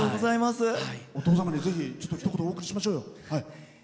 お父様にぜひひと言報告しましょうよ。